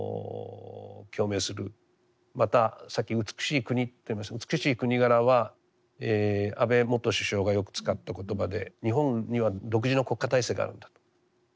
またさっき「美しい国」と言いましたが「美しい国柄」は安倍元首相がよく使った言葉で日本には独自の国家体制があるんだと。